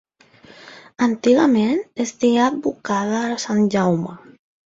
Antigament estigué advocada a Sant Jaume.